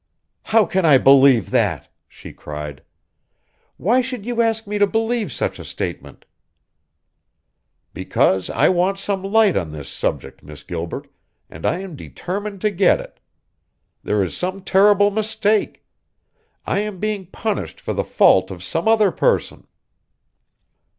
"How can I believe that?" she cried. "Why should you ask me to believe such a statement?" "Because I want some light on this subject, Miss Gilbert, and I am determined to get it. There is some terrible mistake. I am being punished for the fault of some other person."